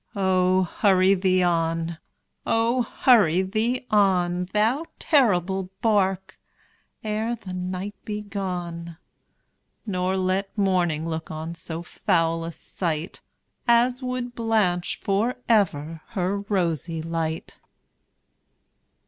Oh! hurry thee on oh! hurry thee on, Thou terrible bark, ere the night be gone, Nor let morning look on so foul a sight As would blanch for ever her rosy light!